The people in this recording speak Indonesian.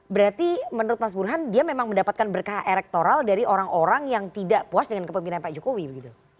berarti menurut mas burhan dia memang mendapatkan berkah elektoral dari orang orang yang tidak puas dengan kepemimpinan pak jokowi begitu